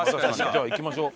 じゃあ行きましょう。